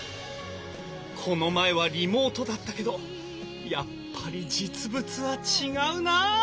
この前はリモートだったけどやっぱり実物は違うなぁ。